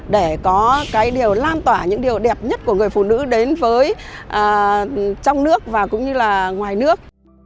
để có cái điều lan tỏa những điều đẹp nhất của người phụ nữ đến với trong nước và cũng như là ngoài nước